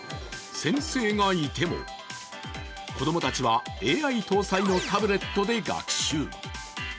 先生がいても、子供たちはＡＩ搭載のタブレットで学習。